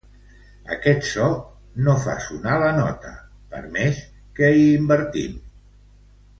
Aquest so no fa sonar la nota, per més que hi invertim.